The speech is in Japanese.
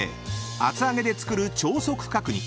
［厚揚げで作る超速角煮］